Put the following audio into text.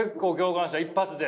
一発で？